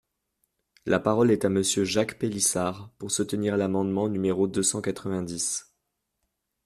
La parole est à Monsieur Jacques Pélissard, pour soutenir l’amendement numéro deux cent quatre-vingt-dix.